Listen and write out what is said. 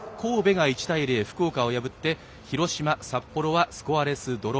神戸が１対０で福岡を破り札幌と広島はスコアレスドロー。